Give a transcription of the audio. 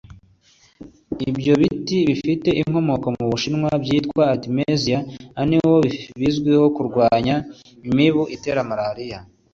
Ibyo biti bifite inkomoko mu Bushinwa byitwa ‘Artemisia annua’ bizwiho kurwanya imibu itera Malaria